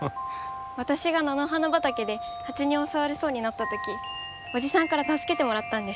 私が菜の花畑でハチに襲われそうになった時おじさんから助けてもらったんです。